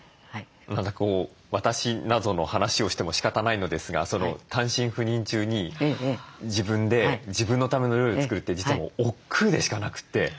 何か私なぞの話をしてもしかたないのですが単身赴任中に自分で自分のための料理を作るって実は億劫でしかなくて。